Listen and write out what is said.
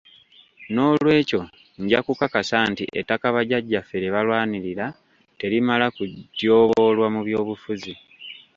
N'olwekyo nja kukakasa nti ettaka bajjajjaffe lye balwanirira terimala gatyoboolwa mu by'obufuzi.